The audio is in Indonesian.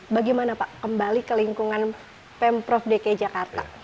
bagaimana pak kembali ke lingkungan pemprov dki jakarta